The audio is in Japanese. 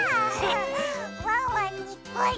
ワンワンにっこり！